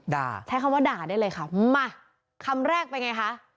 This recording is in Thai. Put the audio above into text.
ใช้คำว่าด่าได้เลยค่ะมาคำแรกเป็นไงคะ